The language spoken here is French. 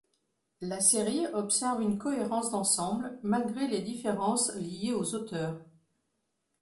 La série observe une cohérence d'ensemble malgré les différences liées aux auteurs.